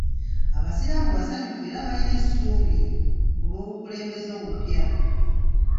Abasiraamu basanyufu era balina essuubi olw'obukulembeze obupya.